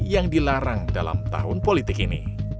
yang dilarang dalam tahun politik ini